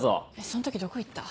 その時どこ行った？